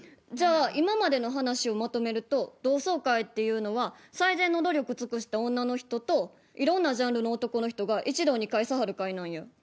じゃあ今までの話をまとめると同窓会っていうのは最善の努力尽くした女の人といろんなジャンルの男の人が一堂に会さはる会なんや。